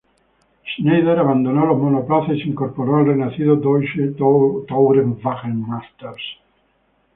Scheider abandonó los monoplazas y se incorporó al renacido Deutsche Tourenwagen Masters.